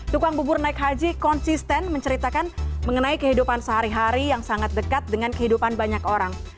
tukang bubur naik haji konsisten menceritakan mengenai kehidupan sehari hari yang sangat dekat dengan kehidupan banyak orang